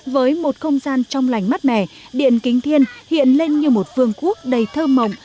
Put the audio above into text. với một không gian trong lành mắt mẻ điện kinh thiên hiện lên như một vương quốc đầy thơm mộng